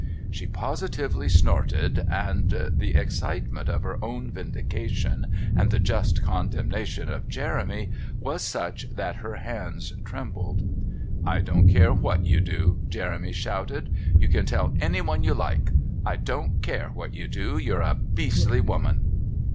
She positively snorted, and the excitement of her own vindication and the just condemnation of Jeremy was such that her hands trembled. "I don't care what you do," Jeremy shouted. "You can tell anyone you like. I don't care what you do. You're a beastly woman."